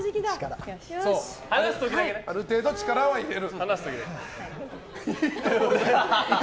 ある程度、力は入れる。